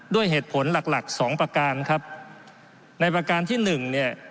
ด้วยเหตุผลหลักหลักสองประการครับในประการที่หนึ่งเนี่ย